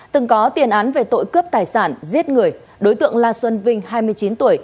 từng có tiền án về tội cướp tài sản giết người đối tượng la xuân vinh hai mươi chín tuổi